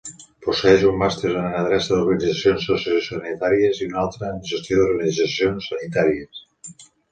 Posseeix un màster en Adreça d'Organitzacions Sociosanitàries i un altre en Gestió d'Organitzacions Sanitàries.